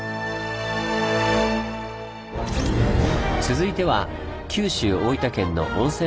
続いては九州大分県の温泉